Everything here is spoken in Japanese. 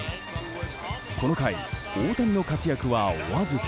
この回、大谷の活躍はお預け。